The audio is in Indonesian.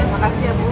makasih ya bu